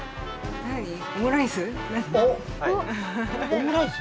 オムライス？